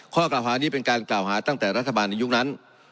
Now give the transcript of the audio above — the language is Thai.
ข้อกล่าวหานี้เป็นการกล่าวหาตั้งแต่รัฐบาลในยุคนั้น